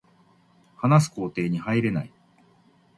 話す工程に入れない